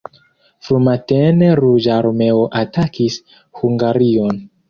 Frumatene Ruĝa Armeo atakis Hungarion.